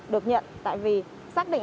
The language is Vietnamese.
được nhận tại vì xác định